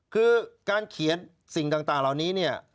คือการเขียนสิ่งต่างเหล่านี้เนี่ย